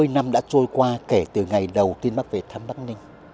sáu mươi năm đã trôi qua kể từ ngày đầu tiên bắc về thăm bắc ninh